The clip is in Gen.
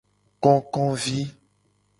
Kokovi.